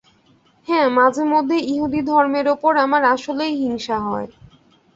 হ্যাঁ, মাঝেমাঝে ইহুদি ধর্মের ওপর আমার আসলেই হিংসা হয়।